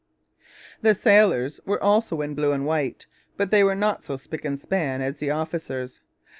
The sailors were also in blue and white; but they were not so spick and span as the officers.